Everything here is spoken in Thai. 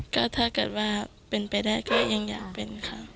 ก็ถ้าเกิดว่าเป็นไปได้ก็ยังอยากเป็นค่ะ